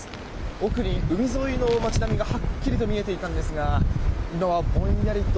奥に海沿いの街並みがはっきりと見えていたんですが今はぼんやりと。